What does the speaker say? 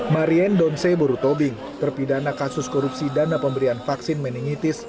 marian donce borutobing terpidana kasus korupsi dana pemberian vaksin meningitis